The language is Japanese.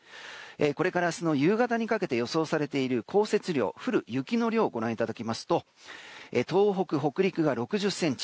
これから明日の夕方にかけて予想されている降雪量をご覧いただきますと東北、北陸が６０ｃｍ。